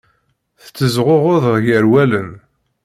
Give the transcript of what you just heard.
Tettezɣuɣud gar wallen.